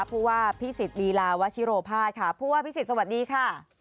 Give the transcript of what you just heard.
ผู้ว่าพิสิทธิลีลาวัชิโรภาสค่ะผู้ว่าพิสิทธิสวัสดีค่ะ